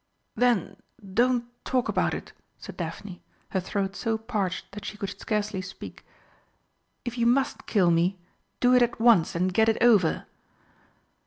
"Then don't talk about it!" said Daphne, her throat so parched that she could scarcely speak; "if you must kill me, do it at once and get it over."